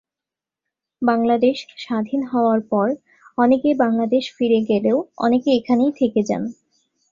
বাংলাদেশ স্বাধীন হওয়ার পর অনেকে বাংলাদেশ ফিরে গেলেও অনেকে এখানেই থেকে যান।